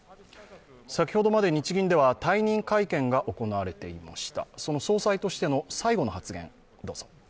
先ほどまで日銀では退任会見が行われていました。